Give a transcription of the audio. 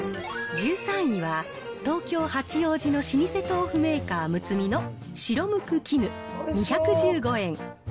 １３位は東京・八王子の老舗豆腐メーカー、むつみの白無垢絹、２１５円。